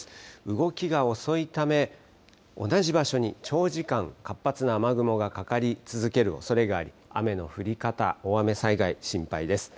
動きが遅いため同じ場所に長時間活発な雨雲がかかり続けるおそれがあり雨の降り方、大雨災害、心配です。